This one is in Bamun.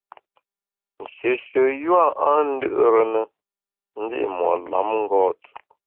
Nshéshe yua a ndù’re ne ndi’ mo’ lamngôt.